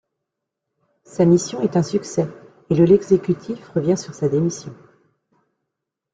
Sa mission est un succès et le l'exécutif revient sur sa démission.